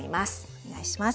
お願いします。